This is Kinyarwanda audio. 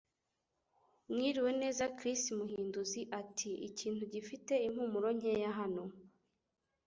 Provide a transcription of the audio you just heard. Mwiriwe neza Chris Muhinduzi ati: Ikintu gifite impumuro nkeya hano.